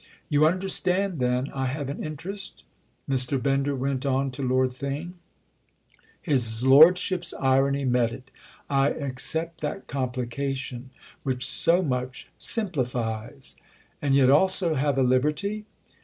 "You understand then I have an interest?" Mr. Bender went on to Lord Theign. His lordship's irony met it. "I accept that complication—which so much simplifies!" "And yet also have a liberty?"